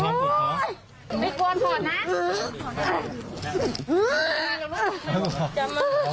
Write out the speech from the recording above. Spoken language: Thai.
จะทำสุดของ